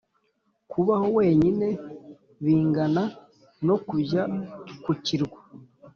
kubaho wenyine bingana no kujya ku kirwa